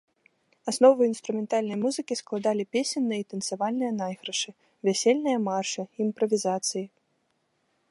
Аснову інструментальнай музыкі складалі песенныя і танцавальныя найгрышы, вясельныя маршы, імправізацыі.